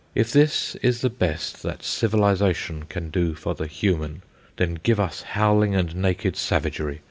If this is the best that civilisation can do for the human, then give us howling and naked savagery.